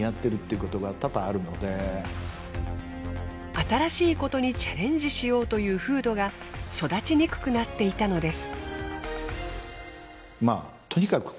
新しいことにチャレンジしようという風土が育ちにくくなっていたのです。